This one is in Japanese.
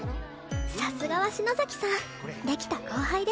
さすがは篠崎さんできた後輩です